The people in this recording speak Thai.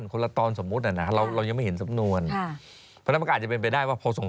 คณะทำงานกระทั่ง